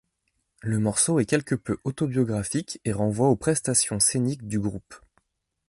Le morceau est quelque peu autobiographique et renvoie aux prestations scéniques du groupe.